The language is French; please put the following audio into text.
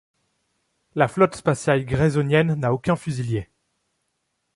La Flotte Spatiale Graysonienne n'a aucun fusiliers.